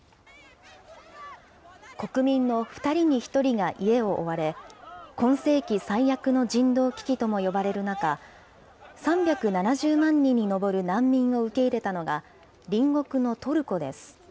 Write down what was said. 国民の２人に１人が家を追われ、今世紀最悪の人道危機とも呼ばれる中、３７０万人に上る難民を受け入れたのが、隣国のトルコです。